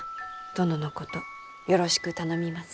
殿のことよろしく頼みます。